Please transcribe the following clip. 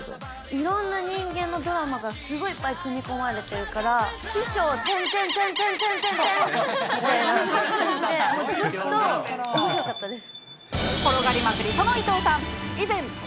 いろんな人間のドラマがすごいいっぱい組み込まれてるから、起承転転転転転転って感じで、ずっとおもしろかったです。